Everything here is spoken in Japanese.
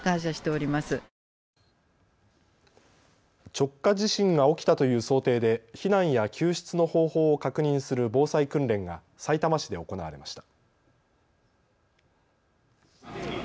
直下地震が起きたという想定で避難や救出の方法を確認する防災訓練がさいたま市で行われました。